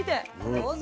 どうぞ。